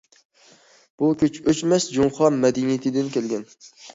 بۇ كۈچ ئۆچمەس جۇڭخۇا مەدەنىيىتىدىن كەلگەن.